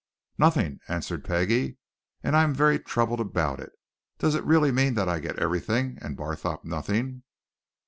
"Nothing!" answered Peggie. "And I'm very troubled about it. Does it really mean that I get everything, and Barthorpe nothing?"